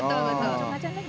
langsung aja deh